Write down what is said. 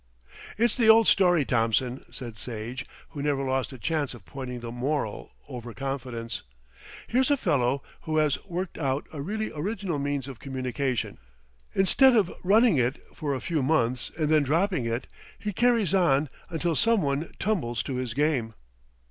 "It's the old story, Thompson," said Sage, who never lost a chance of pointing the moral, "over confidence. Here's a fellow who has worked out a really original means of communication. Instead of running it for a few months and then dropping it, he carries on until someone tumbles to his game."